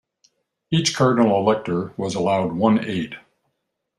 Each cardinal elector was allowed one aide.